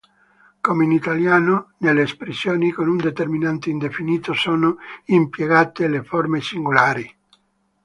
Come in italiano, nelle espressioni con un determinante indefinito sono impiegate le forme singolari.